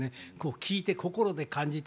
聴いて心で感じて